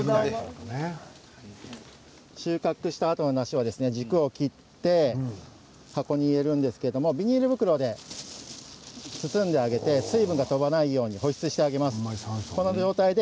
収穫したあとの梨は軸を切って箱に入れるんですけれどビニール袋で包んであげて水分が飛ばないように保湿してあげます。